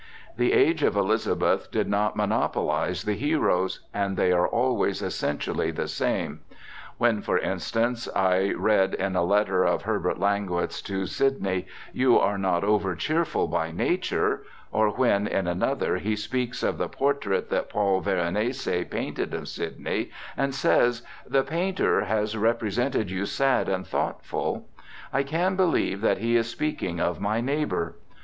The age of Elizabeth did not monopolize the heroes, and they are always essentially the same. When, for instance, I read in a letter of Hubert Languet's to Sidney, "You are not over cheerful by nature," or when, in another, he speaks of the portrait that Paul Veronese painted of Sidney, and says, "The painter has represented you sad and thoughtful," I can believe that he is speaking of my neighbor.